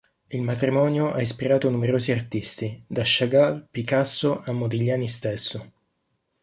Il matrimonio ha ispirato numerosi artisti, da Chagall, Picasso, a Modigliani stesso.